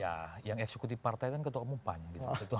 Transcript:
ya yang eksekutif partai kan ketua umum pan gitu